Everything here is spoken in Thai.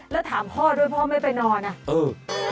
อ๋อแล้วถามพ่อด้วยพ่อไม่ไปนอนที่นี่สิอะ